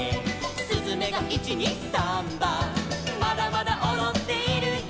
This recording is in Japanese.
「すずめが１・２・サンバ」「まだまだおどっているよ」